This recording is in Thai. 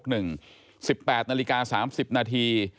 ๑๘นาฬิกา๓๐นาที